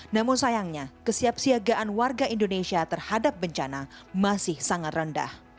namun sayangnya kesiapsiagaan warga indonesia terhadap bencana masih sangat rendah